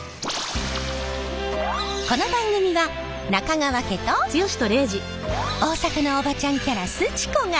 この番組は中川家と大阪のおばちゃんキャラすち子が